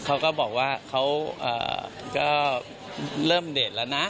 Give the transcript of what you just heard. เขาก็บอกว่าเขาก็เริ่มเดทแล้วนะ